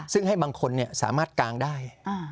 ซึ่งให้บางคนสามารถกางได้